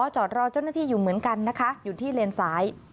จอดรอเจ้าหน้าที่อยู่เหมือนกันนะคะอยู่ที่เลนซ้าย